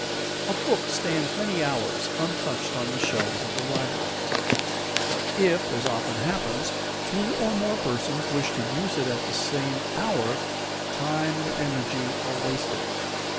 A book stands many hours untouched on the shelves of the library; but if, as often happens, two or more persons wish to use it at the same hour, time and energy are wasted.